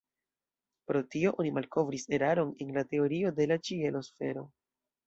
Pro tio oni malkovris eraron en la teorio de la ĉielo-sfero.